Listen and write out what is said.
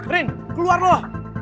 rin keluar lo